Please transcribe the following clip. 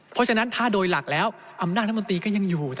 เพราะฉะนั้นถ้าโดยหลักแล้วอำนาจรัฐมนตรีก็ยังอยู่